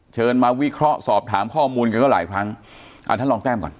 เชิญมาวิเคราะห์สอบถามข้อมูลกันก็หลายครั้งอ่าท่านลองแต้มก่อน